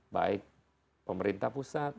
baik pemerintah pusat